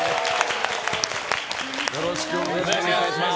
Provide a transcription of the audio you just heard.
よろしくお願いします。